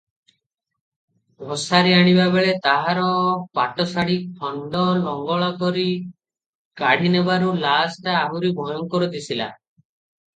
ଘୋଷାରି ଆଣିବାବେଳେ ତାହାର ପାଟଶାଢ଼ୀ ଖଣ୍ତ ଲଙ୍ଗଳାକରି କାଢ଼ିନେବାରୁ ଲାସ୍ଟା ଆହୁରି ଭୟଙ୍କର ଦିଶିଲା ।